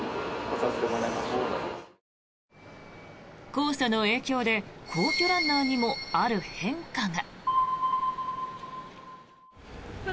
黄砂の影響で皇居ランナーにもある変化が。